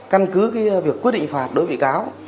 căn cứ việc quyết định phạt đối với bị cáo